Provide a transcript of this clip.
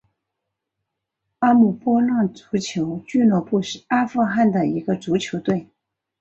阿姆波浪足球俱乐部是阿富汗的一个足球队。